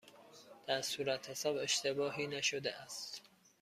در صورتحساب اشتباهی نشده است؟